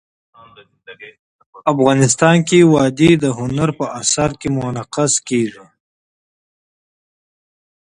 افغانستان کې وادي د هنر په اثار کې منعکس کېږي.